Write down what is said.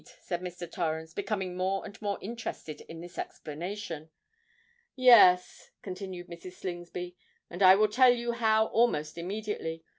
said Mr. Torrens, becoming more and more interested in this explanation. "Yes," continued Mrs. Slingsby, "and I will tell you how almost immediately.